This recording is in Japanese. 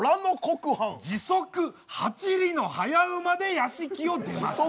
時速８里の早馬で屋敷を出ました。